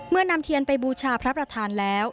นำเทียนไปบูชาพระประธานแล้ว